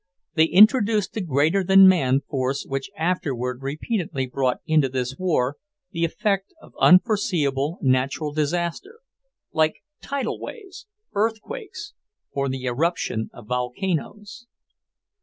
They introduced the greater than man force which afterward repeatedly brought into this war the effect of unforeseeable natural disaster, like tidal waves, earthquakes, or the eruption of volcanoes.